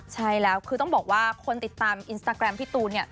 ใช่แล้วคือต้องบอกว่าคนติดตามอินสตาแกรมพี่ตูนเนี่ย